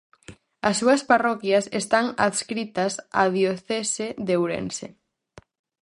As súas parroquias están adscritas á diocese de Ourense.